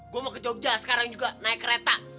gue mau ke jogja sekarang juga naik kereta